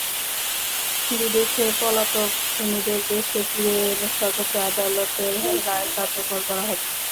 বিদেশে পলাতক খুনিদের দেশে ফিরিয়ে এনে সর্বোচ্চ আদালতের রায় কার্যকর করা হবে।